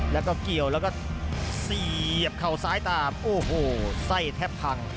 แล้วก็เกี่ยวแล้วก็เสียบเข่าซ้ายตามโอ้โหไส้แทบพัง